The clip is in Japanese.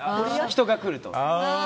人が来ると。